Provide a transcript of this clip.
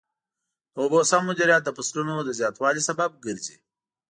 د اوبو سم مدیریت د فصلونو د زیاتوالي سبب ګرځي.